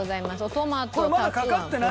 トマトたくあん。